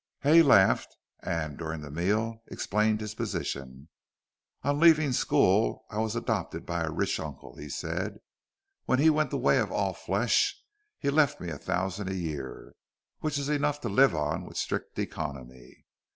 Hay laughed, and, during the meal, explained his position. "On leaving school I was adopted by a rich uncle," he said. "When he went the way of all flesh he left me a thousand a year, which is enough to live on with strict economy.